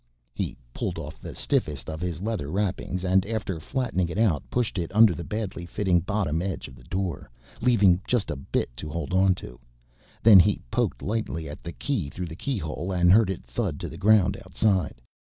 He pulled off the stiffest of his leather wrappings and after flattening it out pushed it under the badly fitting bottom edge of the door, leaving just a bit to hold onto. Then he poked lightly at the key through the keyhole and heard it thud to the ground outside.